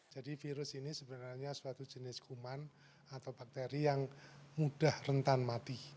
jadi virus ini sebenarnya suatu jenis kuman atau bakteri yang mudah rentan mati